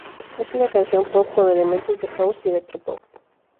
Es una canción pop con elementos de House y Electropop.